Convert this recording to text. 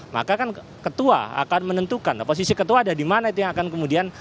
maka kan ketua akan menentukan posisi ketua ada di mana itu yang akan kemudian